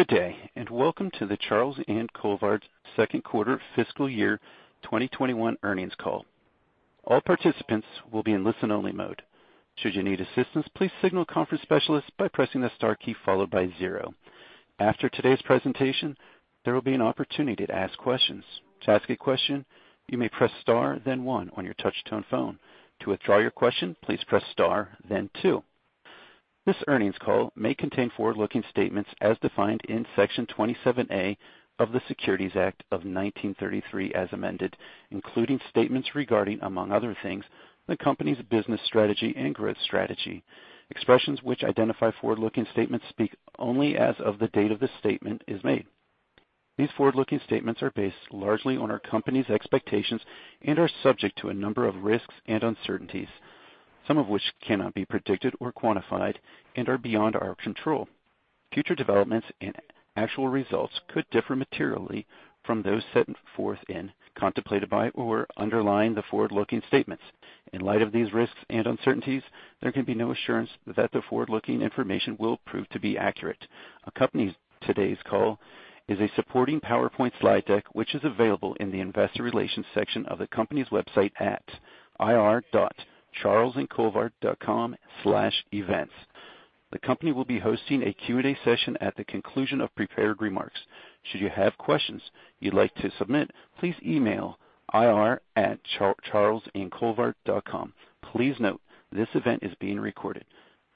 Good day, and welcome to the Charles & Colvard Q2 fiscal year 2021 earnings call. All participants will be in listen-only mode. Should you need assistance, please signal a conference specialist by pressing the star key followed by zero. After today's presentation, there will be an opportunity to ask questions. To ask a question, you may press Star, then one on your touchtone phone. To withdraw your question, please press Star, then two. This earnings call may contain forward-looking statements as defined in Section 27A of the Securities Act of 1933 as amended, including statements regarding, among other things, the company's business strategy and growth strategy. Expressions which identify forward-looking statements speak only as of the date of the statement is made. These forward-looking statements are based largely on our company's expectations and are subject to a number of risks and uncertainties, some of which cannot be predicted or quantified and are beyond our control. Future developments and actual results could differ materially from those set forth in, contemplated by, or underlying the forward-looking statements. In light of these risks and uncertainties, there can be no assurance that the forward-looking information will prove to be accurate. Accompanying today's call is a supporting PowerPoint slide deck, which is available in the Investor Relations section of the company's website at ir.charlesandcolvard.com/events. The company will be hosting a Q&A session at the conclusion of prepared remarks. Should you have questions you'd like to submit, please email ir@charlesandcolvard.com. Please note this event is being recorded.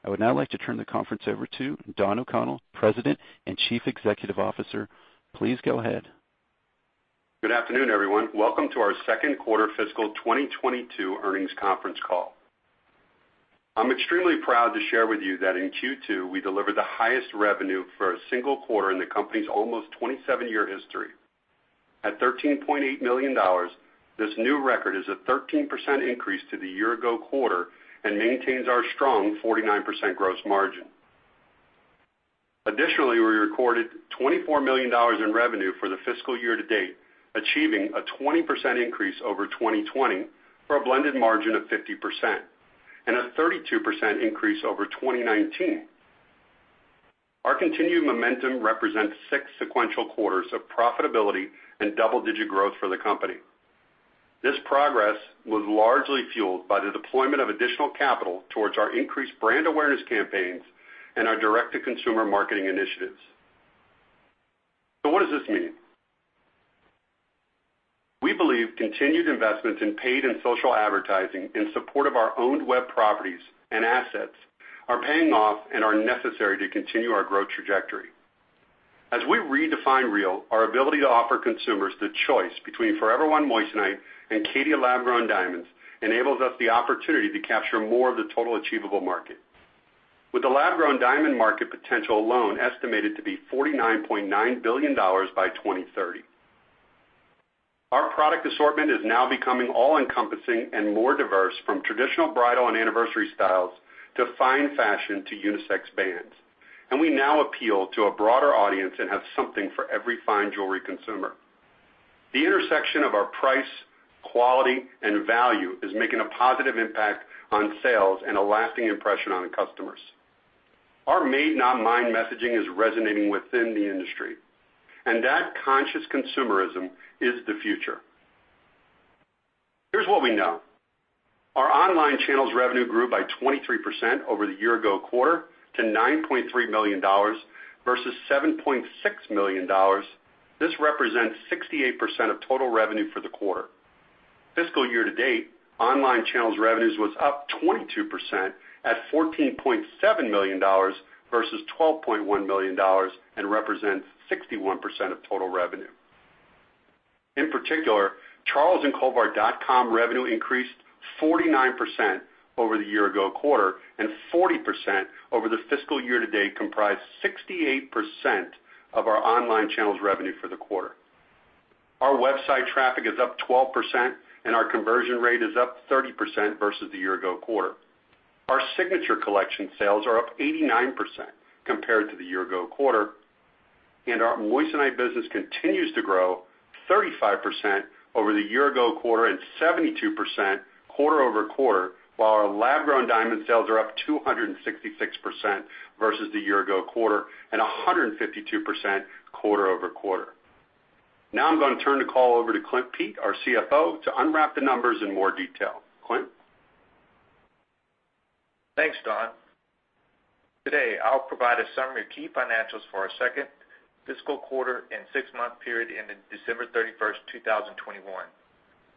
I would now like to turn the conference over to Don O'Connell, President and CEO. Please go ahead. Good afternoon, everyone. Welcome to our Q2 fiscal 2022 earnings conference call. I'm extremely proud to share with you that in Q2, we delivered the highest revenue for a single quarter in the company's almost 27-year history. At $13.8 million, this new record is a 13% increase to the year-ago quarter and maintains our strong 49% gross margin. Additionally, we recorded $24 million in revenue for the fiscal year to date, achieving a 20% increase over 2020 for a blended margin of 50% and a 32% increase over 2019. Our continued momentum represents six sequential quarters of profitability and double-digit growth for the company. This progress was largely fueled by the deployment of additional capital towards our increased brand awareness campaigns and our direct-to-consumer marketing initiatives. What does this mean? We believe continued investments in paid and social advertising in support of our owned web properties and assets are paying off and are necessary to continue our growth trajectory. As we redefine real, our ability to offer consumers the choice between Forever One moissanite and Caydia lab-grown diamonds enables us the opportunity to capture more of the total achievable market, with the lab-grown diamond market potential alone estimated to be $49.9 billion by 2030. Our product assortment is now becoming all-encompassing and more diverse from traditional bridal and anniversary styles to fine fashion to unisex bands. We now appeal to a broader audience and have something for every fine jewelry consumer. The intersection of our price, quality, and value is making a positive impact on sales and a lasting impression on the customers. Our made-not-mined messaging is resonating within the industry, and that conscious consumerism is the future. Here's what we know. Our online channel's revenue grew by 23% over the year ago quarter to $9.3 million versus $7.6 million. This represents 68% of total revenue for the quarter. Fiscal year to date, online channels revenues was up 22% at $14.7 million versus $12.1 million and represents 61% of total revenue. In particular, charlesandcolvard.com revenue increased 49% over the year ago quarter and 40% over the fiscal year to date, comprised 68% of our online channels revenue for the quarter. Our website traffic is up 12% and our conversion rate is up 30% versus the year ago quarter. Our Signature Collection sales are up 89% compared to the year ago quarter, and our moissanite business continues to grow 35% over the year ago quarter and 72% quarter-over-quarter, while our lab-grown diamond sales are up 266% versus the year ago quarter and 152% quarter-over-quarter. Now I'm gonna turn the call over to Clint Pete, our CFO, to unwrap the numbers in more detail. Clint? Thanks, Don. Today, I'll provide a summary of key financials for our second fiscal quarter and six-month period ending December 31st 2021.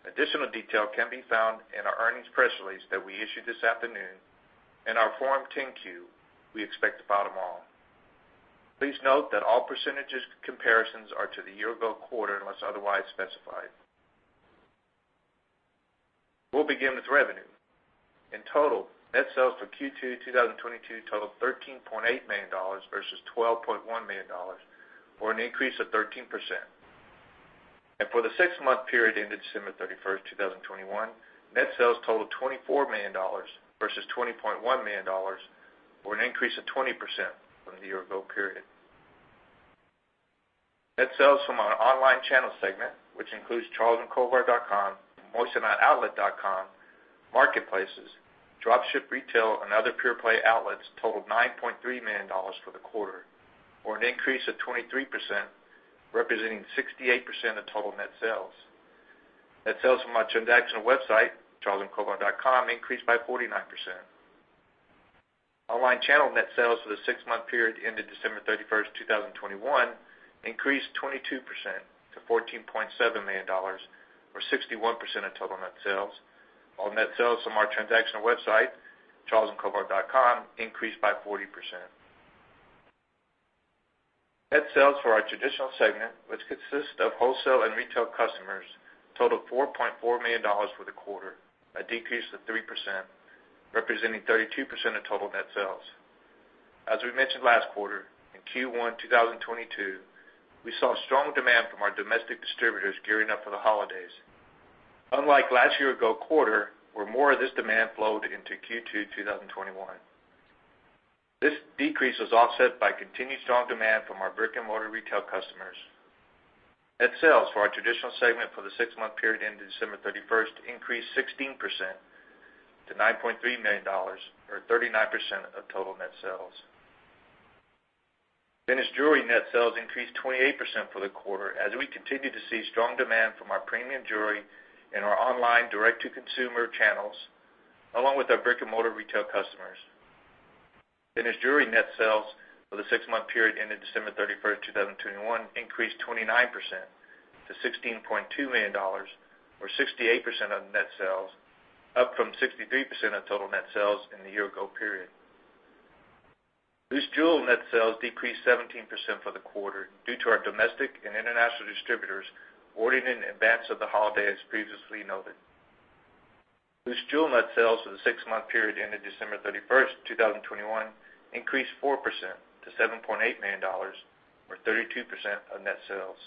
Additional detail can be found in our earnings press release that we issued this afternoon and our Form 10-Q we expect to file tomorrow. Please note that all percentage comparisons are to the year ago quarter unless otherwise specified. We'll begin with revenue. In total, net sales for Q2 2022 totaled $13.8 million versus $12.1 million, or an increase of 13%. For the six-month period ending December 31st 2021, net sales totaled $24 million versus $20.1 million, or an increase of 20% from the year ago period. Net sales from our online channel segment, which includes charlesandcolvard.com, moissaniteoutlet.com, marketplaces, drop ship retail, and other pure play outlets totaled $9.3 million for the quarter, or an increase of 23%, representing 68% of total net sales. Net sales from our transactional website, charlesandcolvard.com, increased by 49%. Online channel net sales for the six-month period ended December 31, 2021, increased 22% to $14.7 million, or 61% of total net sales, while net sales from our transactional website, charlesandcolvard.com, increased by 40%. Net sales for our traditional segment, which consists of wholesale and retail customers, totaled $4.4 million for the quarter, a decrease of 3%, representing 32% of total net sales. As we mentioned last quarter, in Q1 2022, we saw strong demand from our domestic distributors gearing up for the holidays, unlike the year-ago quarter, where more of this demand flowed into Q2 2021. This decrease was offset by continued strong demand from our brick-and-mortar retail customers. Net sales for our traditional segment for the six-month period ended December 31 increased 16% to $9.3 million, or 39% of total net sales. Finished jewelry net sales increased 28% for the quarter as we continue to see strong demand from our premium jewelry and our online direct-to-consumer channels, along with our brick-and-mortar retail customers. Finished jewelry net sales for the six-month period ended December 31, 2021, increased 29% to $16.2 million, or 68% of net sales, up from 63% of total net sales in the year ago period. Loose jewel net sales decreased 17% for the quarter due to our domestic and international distributors ordering in advance of the holiday, as previously noted. Loose jewel net sales for the six-month period ended December 31st 2021, increased 4% to $7.8 million, or 32% of net sales.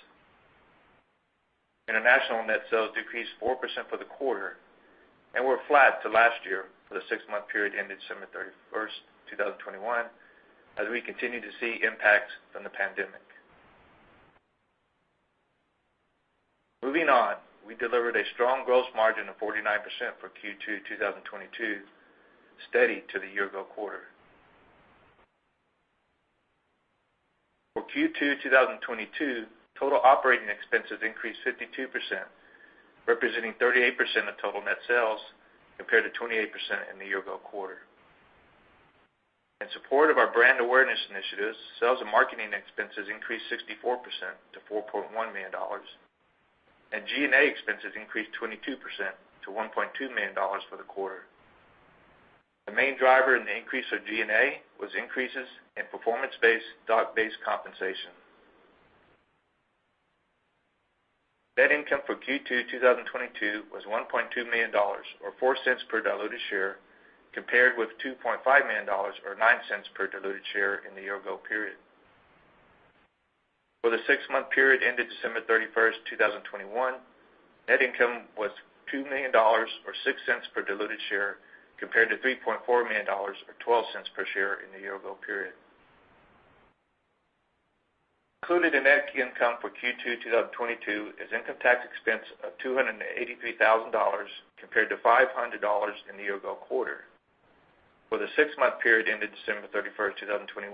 International net sales decreased four perent for the quarter and were flat to last year for the six-month period ended December 31st 2021, as we continue to see impacts from the pandemic. Moving on, we delivered a strong gross margin of 49% for Q2 2022, steady to the year ago quarter. For Q2 2022, total operating expenses increased 52%, representing 38% of total net sales compared to 28% in the year ago quarter. In support of our brand awareness initiatives, sales and marketing expenses increased 64% to $4.1 million, and G&A expenses increased 22% to $1.2 million for the quarter. The main driver in the increase of G&A was increases in performance-based stock-based compensation. Net income for Q2 2022 was $1.2 million, or $0.04 per diluted share, compared with $2.5 million, or $0.09 per diluted share in the year ago period. For the six-month period ended December 31st 2021, net income was $2 million, or $0.06 per diluted share, compared to $3.4 million, or $0.12 per share in the year ago period. Included in net income for Q2 2022 is income tax expense of $283,000 compared to $500 in the year ago quarter. For the six-month period ended December 31st 2021,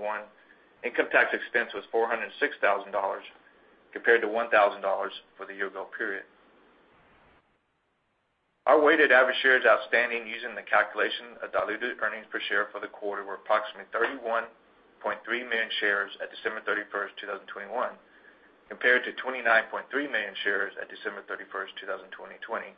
income tax expense was $406,000 compared to $1,000 for the year ago period. Our weighted average shares outstanding using the calculation of diluted earnings per share for the quarter were approximately 31.3 million shares at December 31st 2021, compared to 29.3 million shares at December 31st 2020.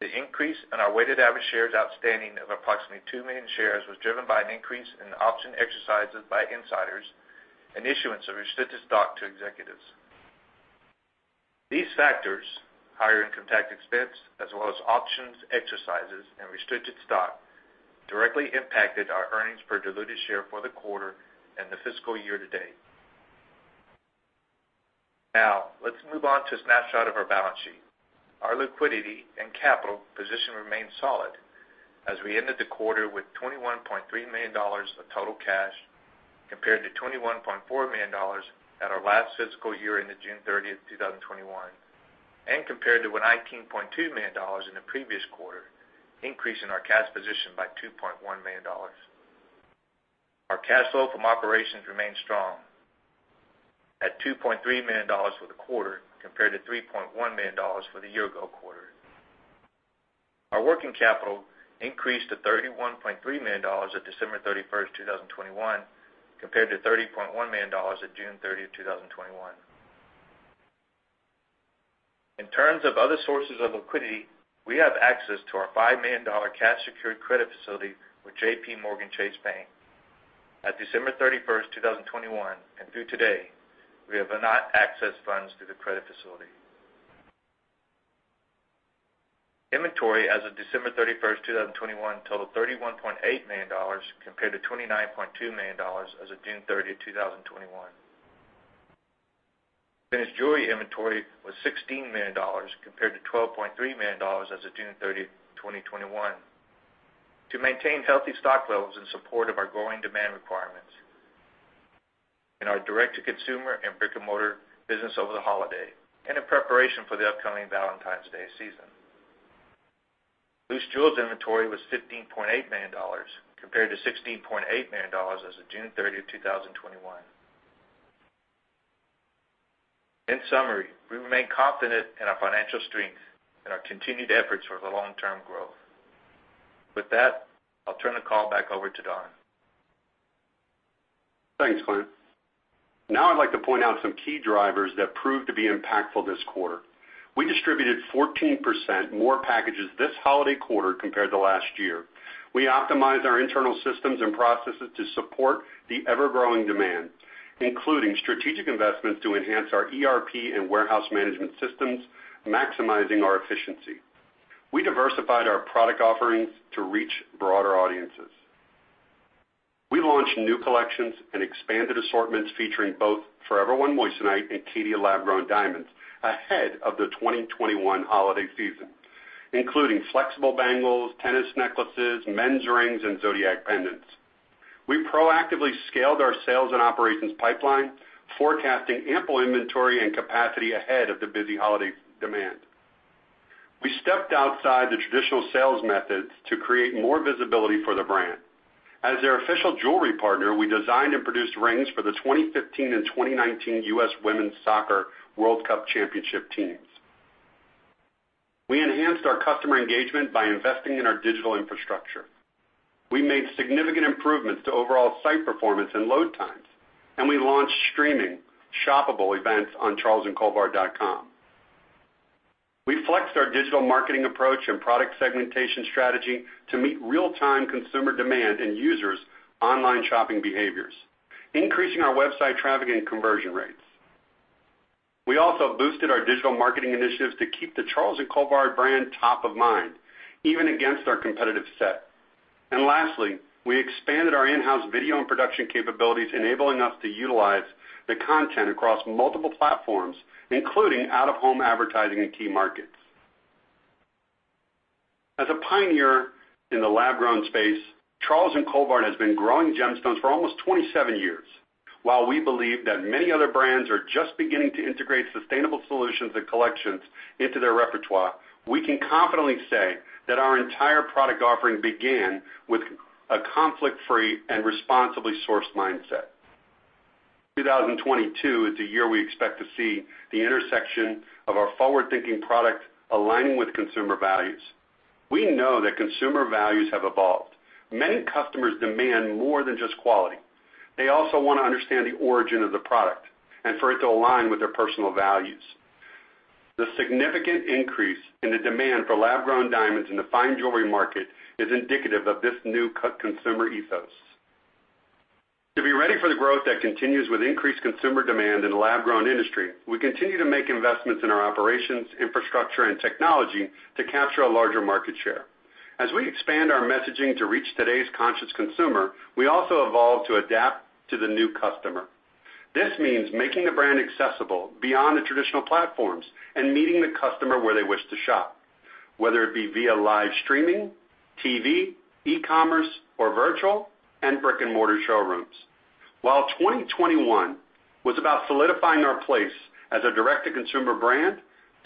The increase in our weighted average shares outstanding of approximately 2 million shares was driven by an increase in option exercises by insiders and issuance of restricted stock to executives. These factors, higher income tax expense, as well as options, exercises, and restricted stock, directly impacted our earnings per diluted share for the quarter and the fiscal year to date. Now, let's move on to a snapshot of our balance sheet. Our liquidity and capital position remains solid as we ended the quarter with $21.3 million of total cash compared to $21.4 million at our last fiscal year ended June 30th 2021, and compared to $19.2 million in the previous quarter, increasing our cash position by $2.1 million. Our cash flow from operations remains strong at $2.3 million for the quarter compared to $3.1 million for the year ago quarter. Our working capital increased to $31.3 million at December 31st 2021, compared to $30.1 million at June 30th 2021. In terms of other sources of liquidity, we have access to our $5 million cash secured credit facility with JPMorgan Chase Bank, N.A. At December 31st 2021, and through today, we have not accessed funds through the credit facility. Inventory as of December 31st 2021, totaled $31.8 million compared to $29.2 million as of June 30th 2021. Finished jewelry inventory was $16 million compared to $12.3 million as of June 30, 2021. To maintain healthy stock levels in support of our growing demand requirements in our direct-to-consumer and brick-and-mortar business over the holiday and in preparation for the upcoming Valentine's Day season. Loose jewels inventory was $15.8 million compared to $16.8 million as of June 30th 2021. In summary, we remain confident in our financial strength and our continued efforts for the long-term growth. With that, I'll turn the call back over to Don. Thanks, Clint. Now, I'd like to point out some key drivers that proved to be impactful this quarter. We distributed 14% more packages this holiday quarter compared to last year. We optimized our internal systems and processes to support the ever-growing demand, including strategic investments to enhance our ERP and warehouse management systems, maximizing our efficiency. We diversified our product offerings to reach broader audiences. We launched new collections and expanded assortments featuring both Forever One moissanite and Caydia lab-grown diamonds ahead of the 2021 holiday season, including flexible bangles, tennis necklaces, men's rings, and zodiac pendants. We proactively scaled our sales and operations pipeline, forecasting ample inventory and capacity ahead of the busy holiday demand. We stepped outside the traditional sales methods to create more visibility for the brand. As their official jewelry partner, we designed and produced rings for the 2015 and 2019 U.S. Women's Soccer World Cup championship teams. We enhanced our customer engagement by investing in our digital infrastructure. We made significant improvements to overall site performance and load times, and we launched streaming shoppable events on charlesandcolvard.com. We flexed our digital marketing approach and product segmentation strategy to meet real-time consumer demand and users' online shopping behaviors, increasing our website traffic and conversion rates. We also boosted our digital marketing initiatives to keep the Charles & Colvard brand top of mind, even against our competitive set. Lastly, we expanded our in-house video and production capabilities, enabling us to utilize the content across multiple platforms, including out-of-home advertising in key markets. As a pioneer in the lab-grown space, Charles & Colvard has been growing gemstones for almost 27 years. While we believe that many other brands are just beginning to integrate sustainable solutions and collections into their repertoire, we can confidently say that our entire product offering began with a conflict-free and responsibly sourced mindset. 2022 is the year we expect to see the intersection of our forward-thinking product aligning with consumer values. We know that consumer values have evolved. Many customers demand more than just quality. They also want to understand the origin of the product and for it to align with their personal values. The significant increase in the demand for lab-grown diamonds in the fine jewelry market is indicative of this new consumer ethos. To be ready for the growth that continues with increased consumer demand in the lab-grown industry, we continue to make investments in our operations, infrastructure, and technology to capture a larger market share. As we expand our messaging to reach today's conscious consumer, we also evolve to adapt to the new customer. This means making the brand accessible beyond the traditional platforms and meeting the customer where they wish to shop, whether it be via live streaming, TV, e-commerce or virtual and brick-and-mortar showrooms. While 2021 was about solidifying our place as a direct-to-consumer brand,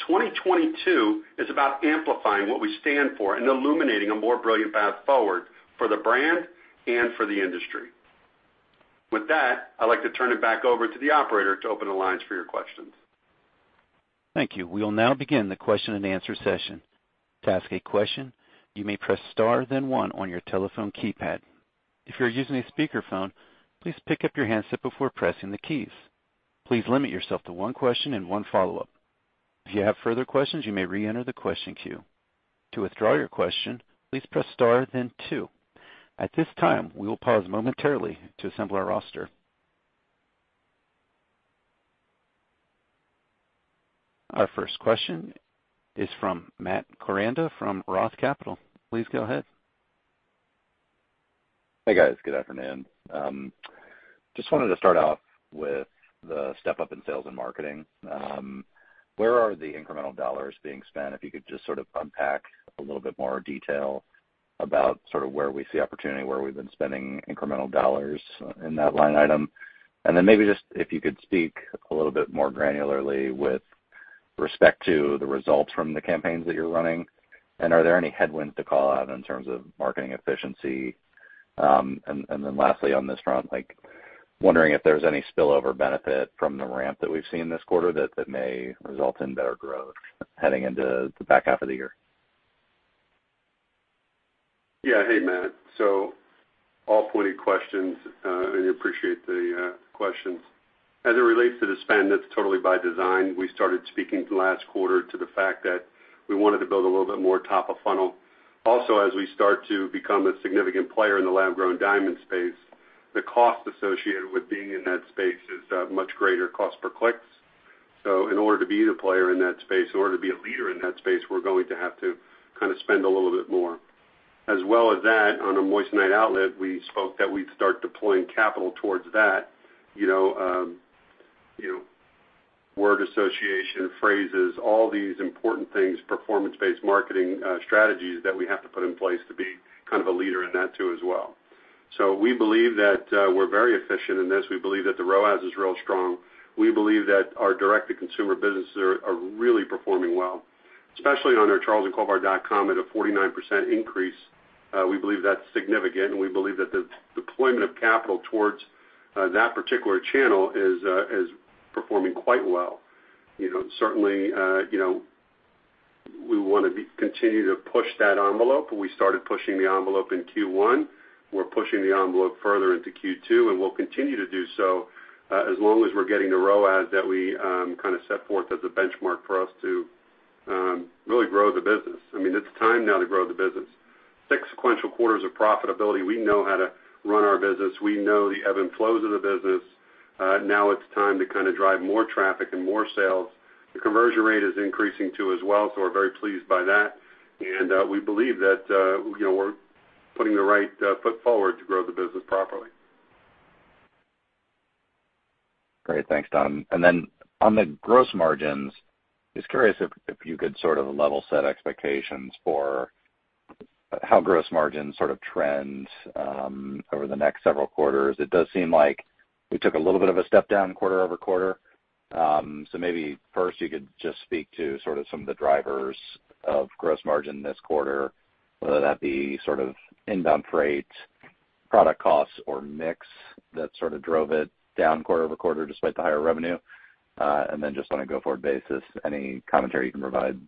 2022 is about amplifying what we stand for and illuminating a more brilliant path forward for the brand and for the industry. With that, I'd like to turn it back over to the operator to open the lines for your questions. Thank you. We will now begin the question-and-answer session. To ask a question, you may press star then one on your telephone keypad. If you're using a speakerphone, please pick up your handset before pressing the keys. Please limit yourself to one question and one follow-up. If you have further questions, you may reenter the question queue. To withdraw your question, please press star then two. At this time, we will pause momentarily to assemble our roster. Our first question is from Matt Koranda from Roth Capital. Please go ahead. Hey, guys. Good afternoon. Just wanted to start off with the step-up in sales and marketing. Where are the incremental dollars being spent? If you could just sort of unpack a little bit more detail about sort of where we see opportunity, where we've been spending incremental dollars in that line item. Maybe just if you could speak a little bit more granularly with respect to the results from the campaigns that you're running, and are there any headwinds to call out in terms of marketing efficiency? Lastly, on this front, like wondering if there's any spillover benefit from the ramp that we've seen this quarter that may result in better growth heading into the back half of the year. Yeah. Hey, Matt. All pointed questions, and I appreciate the questions. As it relates to the spend, that's totally by design. We started speaking last quarter to the fact that we wanted to build a little bit more top of funnel. Also, as we start to become a significant player in the lab-grown diamond space, the cost associated with being in that space is much greater cost per click. In order to be the player in that space, in order to be a leader in that space, we're going to have to kinda spend a little bit more. As well as that, on Moissanite Outlet, we spoke that we'd start deploying capital towards that, you know, word association, phrases, all these important things, performance-based marketing, strategies that we have to put in place to be kind of a leader in that too as well. We believe that we're very efficient in this. We believe that the ROAS is real strong. We believe that our direct-to-consumer businesses are really performing well, especially on our charlesandcolvard.com at a 49% increase. We believe that's significant, and we believe that the deployment of capital towards that particular channel is performing quite well. You know, certainly, you know, we wanna continue to push that envelope. We started pushing the envelope in Q1. We're pushing the envelope further into Q2, and we'll continue to do so, as long as we're getting the ROAS that we kinda set forth as a benchmark for us to really grow the business. I mean, it's time now to grow the business. Six sequential quarters of profitability. We know how to run our business. We know the ebb and flows of the business. Now it's time to kinda drive more traffic and more sales. The conversion rate is increasing too as well, so we're very pleased by that. We believe that, you know, we're putting the right foot forward to grow the business properly. Great. Thanks, Don. On the gross margins, just curious if you could sort of level set expectations for how gross margins sort of trend over the next several quarters. It does seem like we took a little bit of a step down quarter-over-quarter. So maybe first you could just speak to sort of some of the drivers of gross margin this quarter, whether that be sort of inbound freight, product costs, or mix that sort of drove it down quarter-over-quarter despite the higher revenue. Just on a go-forward basis, any commentary you can provide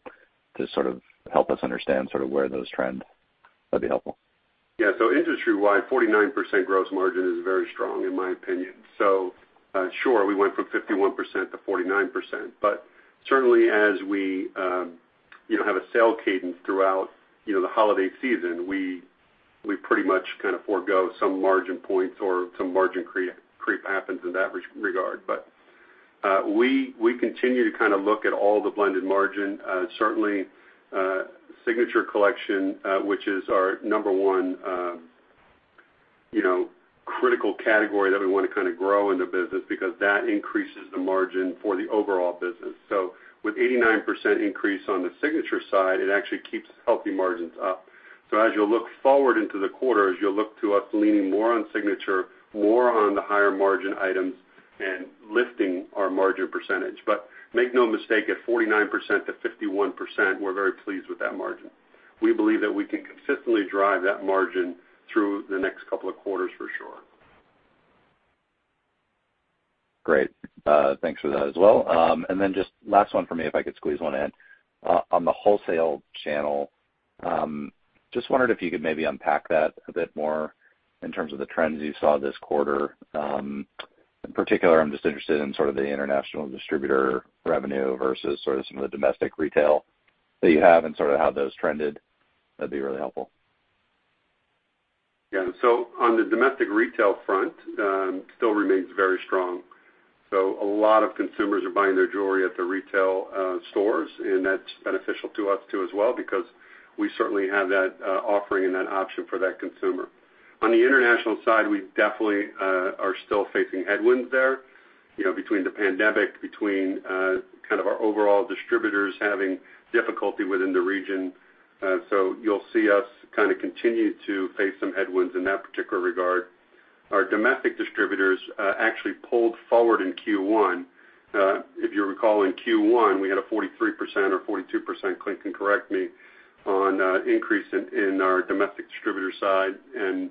to sort of help us understand sort of where those trend, that'd be helpful. Yeah. Industry-wide, 49% gross margin is very strong in my opinion. Sure, we went from 51% to 49%. Certainly as we, you know, have a sale cadence throughout, you know, the holiday season, we pretty much kind of forgo some margin points or some margin creep happens in that regard. We continue to kind of look at all the blended margin, certainly, Signature Collection, which is our number one, you know, critical category that we wanna kinda grow in the business because that increases the margin for the overall business. With 89% increase on the Signature side, it actually keeps healthy margins up. As you'll look forward into the quarters, you'll look to us leaning more on Signature, more on the higher margin items, and lifting our margin percentage. Make no mistake, at 49%-51%, we're very pleased with that margin. We believe that we can consistently drive that margin through the next couple of quarters for sure. Great. Thanks for that as well. Just last one for me, if I could squeeze one in. On the wholesale channel, just wondered if you could maybe unpack that a bit more in terms of the trends you saw this quarter. In particular, I'm just interested in sort of the international distributor revenue versus sort of some of the domestic retail that you have and sort of how those trended. That'd be really helpful. Yeah. On the domestic retail front, still remains very strong. A lot of consumers are buying their jewelry at the retail stores, and that's beneficial to us as well because we certainly have that offering and that option for that consumer. On the international side, we definitely are still facing headwinds there, you know, between the pandemic, kind of our overall distributors having difficulty within the region. You'll see us kinda continue to face some headwinds in that particular regard. Our domestic distributors actually pulled forward in Q1. If you recall, in Q1, we had a 43% or 42% increase in our domestic distributor side, Clint can correct me.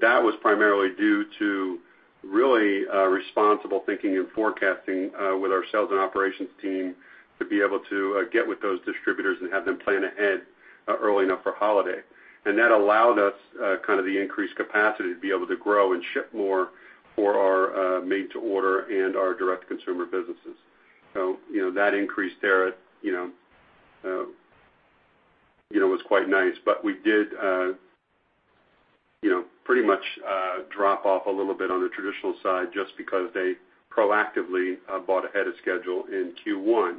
That was primarily due to really responsible thinking and forecasting with our sales and operations team to be able to get with those distributors and have them plan ahead early enough for holiday. That allowed us kind of the increased capacity to be able to grow and ship more for our made to order and our direct-to-consumer businesses. You know, that increase there, you know, you know was quite nice. We did you know pretty much drop off a little bit on the traditional side just because they proactively bought ahead of schedule in Q1.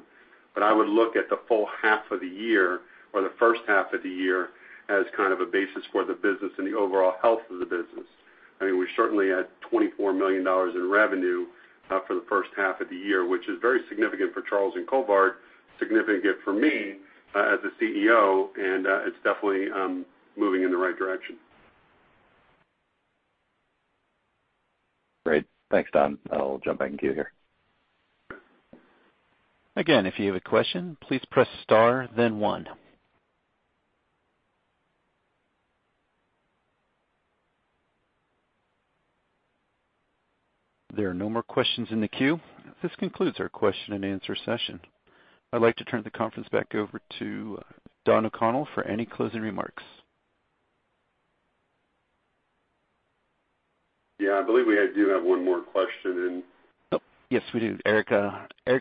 I would look at the full half of the year or the first half of the year as kind of a basis for the business and the overall health of the business. I mean, we certainly had $24 million in revenue for the first half of the year, which is very significant for Charles & Colvard, significant for me as the CEO, and it's definitely moving in the right direction. Great. Thanks, Don. I'll jump back in queue here. Again, if you have a question, please press star then one. There are no more questions in the queue. This concludes our question and answer session. I'd like to turn the conference back over to Don O'Connell for any closing remarks. Yeah, I believe we do have one more question in. Oh, yes, we do. Eric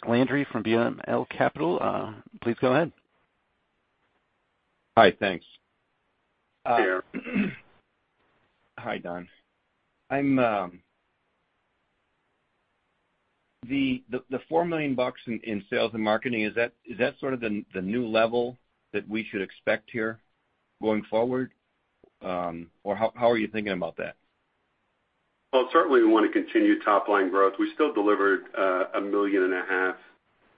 Landry from BML Capital, please go ahead. Hi, thanks. Yeah. Hi, Don. The $4 million in sales and marketing, is that sort of the new level that we should expect here going forward? Or how are you thinking about that? Well, certainly we want to continue top line growth. We still delivered $1.5 million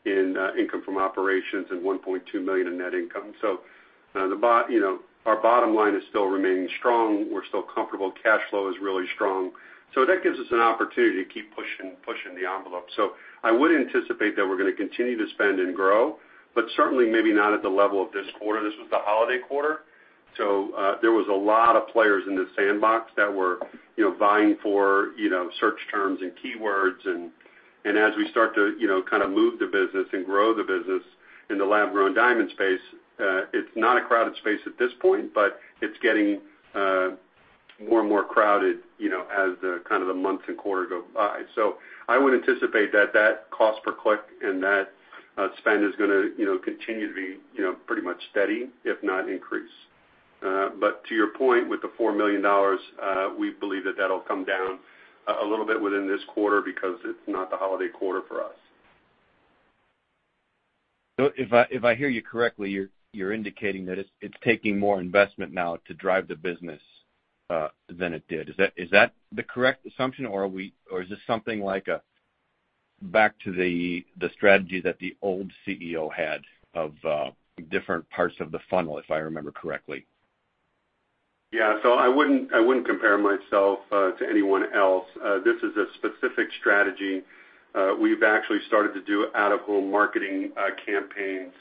in income from operations and $1.2 million in net income. You know, our bottom line is still remaining strong. We're still comfortable. Cash flow is really strong. That gives us an opportunity to keep pushing the envelope. I would anticipate that we're gonna continue to spend and grow, but certainly maybe not at the level of this quarter. This was the holiday quarter, so there was a lot of players in the sandbox that were, you know, vying for, you know, search terms and keywords. As we start to, you know, kind of move the business and grow the business in the lab-grown diamond space, it's not a crowded space at this point, but it's getting more and more crowded, you know, as the kind of the months and quarters go by. I would anticipate that that cost per click and that spend is gonna, you know, continue to be, you know, pretty much steady, if not increase. To your point, with the $4 million, we believe that that'll come down a little bit within this quarter because it's not the holiday quarter for us. If I hear you correctly, you're indicating that it's taking more investment now to drive the business than it did. Is that the correct assumption, or is this something like going back to the strategy that the old CEO had of different parts of the funnel, if I remember correctly? Yeah. I wouldn't compare myself to anyone else. This is a specific strategy. We've actually started to do out-of-home marketing campaigns.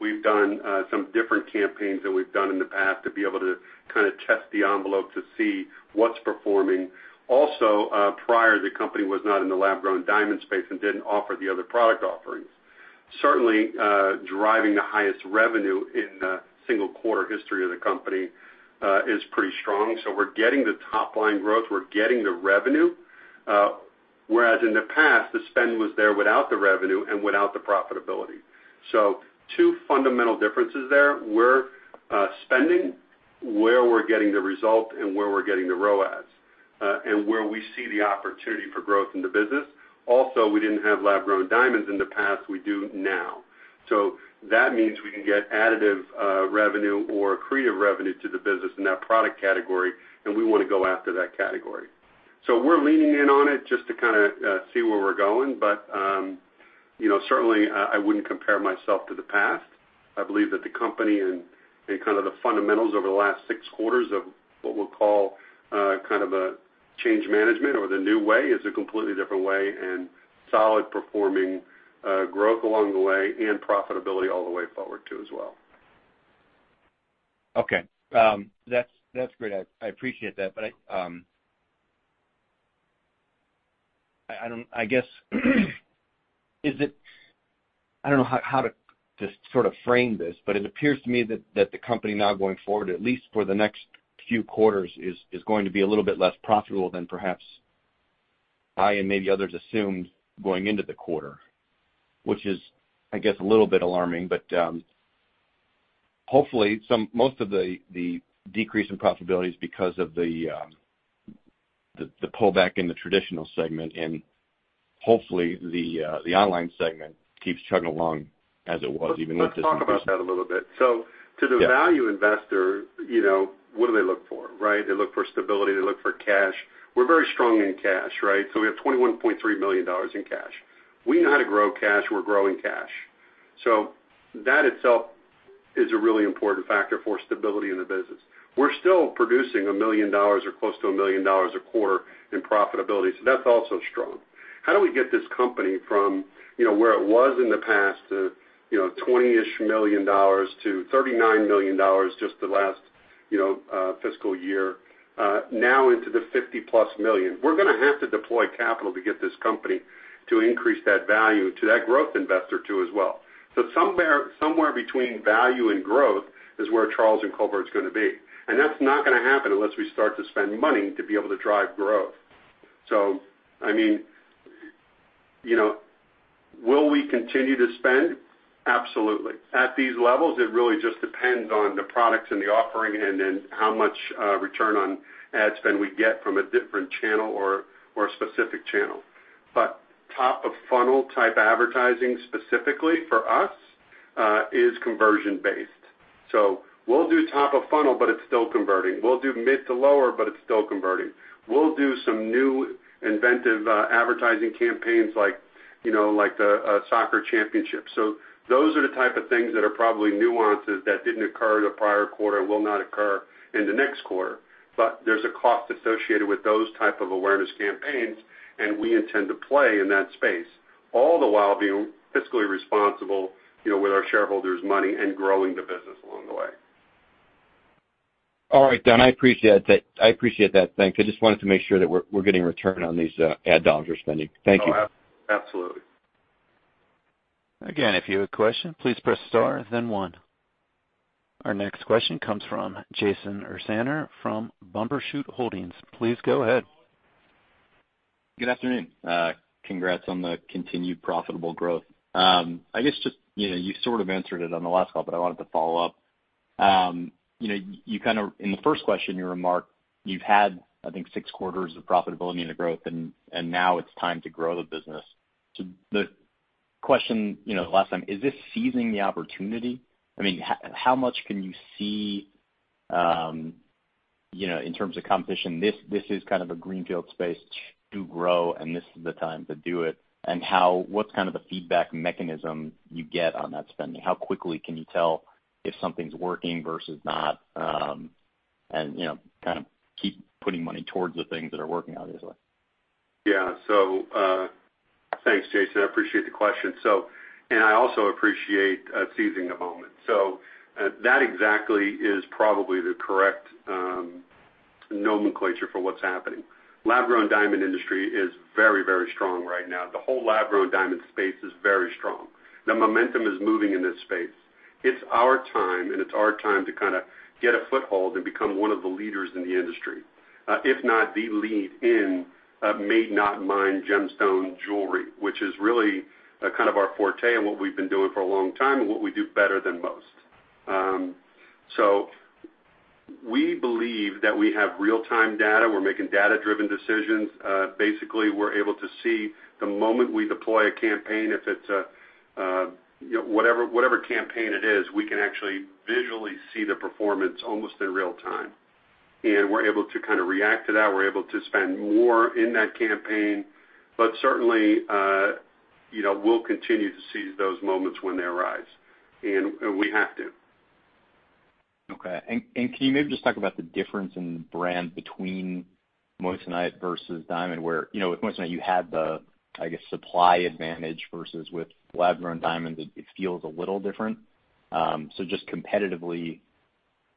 We've done some different campaigns than we've done in the past to be able to kind of test the envelope to see what's performing. Also, prior, the company was not in the lab-grown diamond space and didn't offer the other product offerings. Certainly, driving the highest revenue in the single quarter history of the company is pretty strong. We're getting the top line growth, we're getting the revenue, whereas in the past, the spend was there without the revenue and without the profitability. Two fundamental differences there. We're spending where we're getting the result and where we're getting the ROAS, and where we see the opportunity for growth in the business. Also, we didn't have lab-grown diamonds in the past, we do now. That means we can get additive, revenue or accretive revenue to the business in that product category, and we wanna go after that category. We're leaning in on it just to kinda, see where we're going, but, you know, certainly, I wouldn't compare myself to the past. I believe that the company and kind of the fundamentals over the last six quarters of what we'll call, kind of a change management or the new way is a completely different way and solid performing, growth along the way and profitability all the way forward too as well. Okay. That's great. I appreciate that. I don't know how to just sort of frame this, but it appears to me that the company now going forward, at least for the next few quarters, is going to be a little bit less profitable than perhaps I and maybe others assumed going into the quarter, which is, I guess, a little bit alarming. Hopefully most of the decrease in profitability is because of the pullback in the traditional segment, and hopefully the online segment keeps chugging along as it was even with this increase. Let's talk about that a little bit. Yeah. Value investor, you know, what do they look for, right? They look for stability. They look for cash. We're very strong in cash, right? We have $21.3 million in cash. We know how to grow cash. We're growing cash. That itself is a really important factor for stability in the business. We're still producing $1 million or close to $1 million a quarter in profitability, so that's also strong. How do we get this company from, you know, where it was in the past to, you know, $20-ish million to $39 million just the last, you know, fiscal year, now into the $50+ million? We're gonna have to deploy capital to get this company to increase that value to that growth investor too as well. Somewhere between value and growth is where Charles & Colvard's gonna be, and that's not gonna happen unless we start to spend money to be able to drive growth. I mean, you know, will we continue to spend? Absolutely. At these levels, it really just depends on the products and the offering and then how much return on ad spend we get from a different channel or a specific channel. Top of funnel type advertising specifically for us is conversion based. We'll do top of funnel, but it's still converting. We'll do mid to lower, but it's still converting. We'll do some new inventive advertising campaigns like, you know, like the soccer championship. Those are the type of things that are probably nuances that didn't occur the prior quarter, will not occur in the next quarter. There's a cost associated with those type of awareness campaigns, and we intend to play in that space, all the while being fiscally responsible, you know, with our shareholders' money and growing the business along the way. All right, Don, I appreciate that. I appreciate that. Thanks. I just wanted to make sure that we're getting return on these ad dollars we're spending. Thank you. Oh, absolutely. Again, if you have a question, please press star then one. Our next question comes from Jason Ursaner from Bumbershoot Holdings. Please go ahead. Good afternoon. Congrats on the continued profitable growth. I guess just, you know, you sort of answered it on the last call, but I wanted to follow up. You know, you kind of in the first question, you remarked you've had, I think, six quarters of profitability and the growth, and now it's time to grow the business. The question, you know, last time, is this seizing the opportunity? I mean, how much can you see, you know, in terms of competition? This is kind of a greenfield space to grow, and this is the time to do it and how. What's kind of the feedback mechanism you get on that spending? How quickly can you tell if something's working versus not, and, you know, kind of keep putting money towards the things that are working, obviously. Yeah. Thanks, Jason. I appreciate the question. I also appreciate seizing the moment. That exactly is probably the correct nomenclature for what's happening. Lab-grown diamond industry is very, very strong right now. The whole lab-grown diamond space is very strong. The momentum is moving in this space. It's our time, and it's our time to kinda get a foothold and become one of the leaders in the industry, if not the lead in, made-not-mined gemstone jewelry, which is really, kind of our forte and what we've been doing for a long time and what we do better than most. We believe that we have real-time data. We're making data-driven decisions. Basically, we're able to see the moment we deploy a campaign if it's, you know, whatever campaign it is, we can actually visually see the performance almost in real time. We're able to kinda react to that. We're able to spend more in that campaign. Certainly, we'll continue to seize those moments when they arise. We have to. Can you maybe just talk about the difference in the brand between moissanite versus diamond, where, you know, with moissanite you had the, I guess, supply advantage versus with lab-grown diamonds it feels a little different. Just competitively,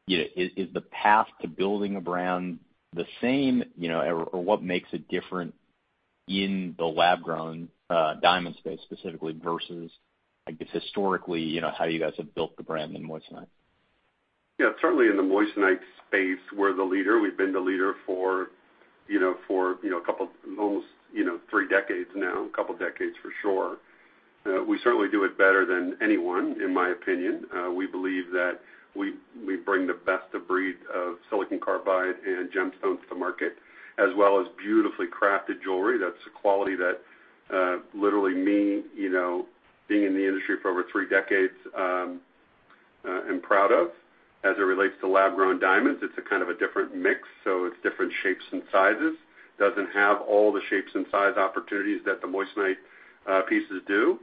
you know, is the path to building a brand the same, you know, or what makes it different in the lab-grown diamond space specifically versus, I guess, historically, you know, how you guys have built the brand in moissanite? Yeah. Certainly in the moissanite space, we're the leader. We've been the leader for, you know, a couple, almost, you know, three decades now, a couple decades for sure. We certainly do it better than anyone, in my opinion. We believe that we bring the best of breed of silicon carbide and gemstones to market, as well as beautifully crafted jewelry. That's a quality that, literally me, you know, being in the industry for over three decades, I'm proud of. As it relates to lab-grown diamonds, it's a kind of different mix, so it's different shapes and sizes. Doesn't have all the shapes and size opportunities that the moissanite pieces do.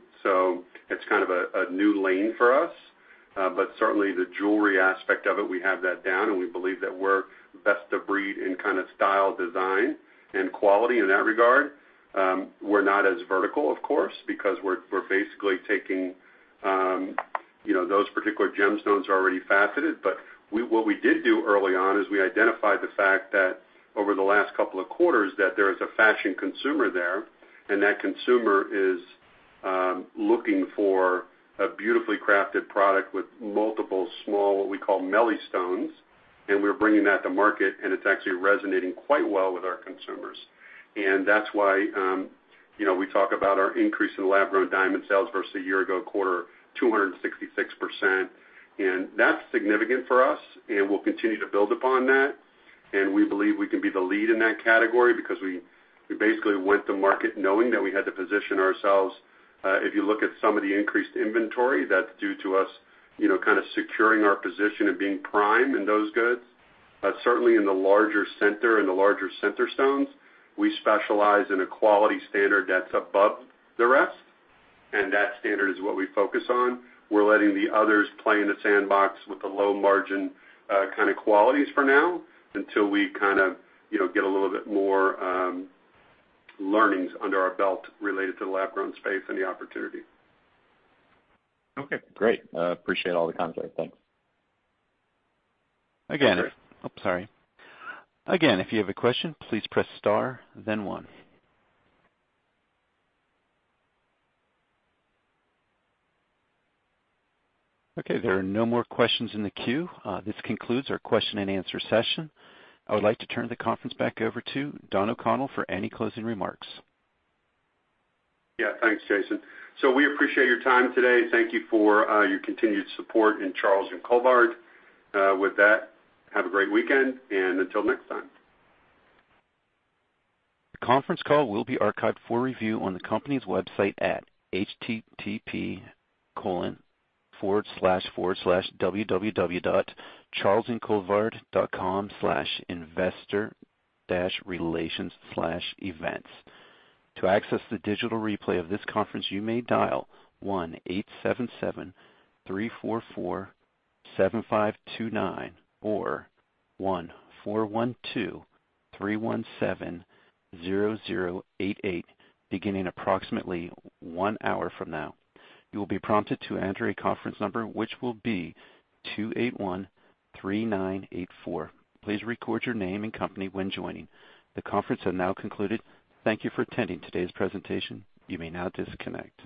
It's kind of a new lane for us. Certainly the jewelry aspect of it, we have that down, and we believe that we're best of breed in kinda style, design, and quality in that regard. We're not as vertical, of course, because we're basically taking, you know, those particular gemstones are already faceted. What we did do early on is we identified the fact that over the last couple of quarters, that there is a fashion consumer there, and that consumer is looking for a beautifully crafted product with multiple small, what we call melee stones, and we're bringing that to market, and it's actually resonating quite well with our consumers. That's why, you know, we talk about our increase in lab-grown diamond sales versus a year ago quarter, 266%. That's significant for us, and we'll continue to build upon that. We believe we can be the lead in that category because we basically went to market knowing that we had to position ourselves. If you look at some of the increased inventory, that's due to us, you know, kinda securing our position and being prime in those goods. Certainly in the larger center stones, we specialize in a quality standard that's above the rest, and that standard is what we focus on. We're letting the others play in the sandbox with the low margin, kinda qualities for now until we kind of, you know, get a little bit more learnings under our belt related to the lab-grown space and the opportunity. Okay. Great. Appreciate all the insight. Thanks. Again- Okay. Oh, sorry. Again, if you have a question, please press star then one. Okay, there are no more questions in the queue. This concludes our question and answer session. I would like to turn the conference back over to Don O'Connell for any closing remarks. Yeah. Thanks, Jason. We appreciate your time today. Thank you for your continued support in Charles & Colvard. With that, have a great weekend, and until next time. The conference call will be archived for review on the company's website at http://www.charlesandcolvard.com/investor-relations/events. To access the digital replay of this conference, you may dial 1-877-344-7529 or 1-412-317-0088 beginning approximately 1 hour from now. You will be prompted to enter a conference number, which will be 281-3984. Please record your name and company when joining. The conference is now concluded. Thank you for attending today's presentation. You may now disconnect.